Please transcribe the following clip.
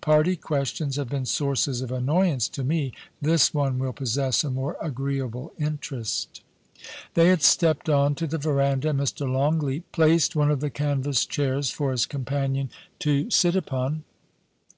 Party questions have been sources of annoyance to me. This one will possess a more agreeable interest' They had stepped on to the verandah, and Mr. Longleat placed one of the canvas chairs for his companion to sit 14 POLICY AND PASSION. upon.